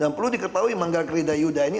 dan perlu diketahui manggala kridayudha ini